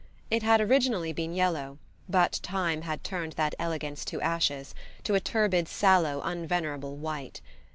It had originally been yellow, but time had turned that elegance to ashes, to a turbid sallow unvenerable white.